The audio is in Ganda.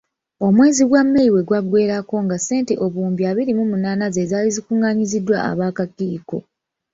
Omwezi gwa May we gwaggweerako nga ssente obuwumbi abiri mu munaana ze zaali zikung'aanyiziddwa ab'akakiiko.